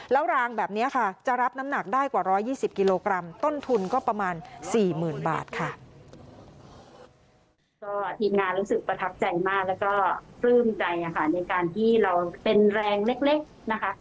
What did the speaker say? ตื่นใจมากแล้วก็พลื่นใจค่ะในการที่เราเป็นแรงเล็กนะคะ